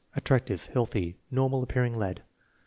Attractive, healthy, normal appearing lad.